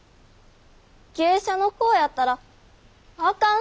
芸者の子やったらあかん？